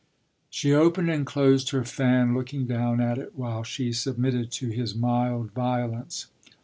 She opened and closed her fan looking down at it while she submitted to his mild violence.